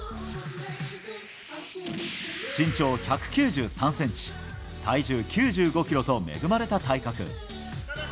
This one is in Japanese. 身長１９３ｃｍ、体重９５ｋｇと恵まれた体格。